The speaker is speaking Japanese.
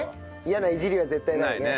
嫌ないじりは絶対ないね。